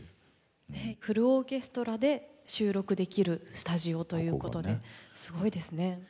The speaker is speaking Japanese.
フルオーケストラで収録できるスタジオということですごいですね。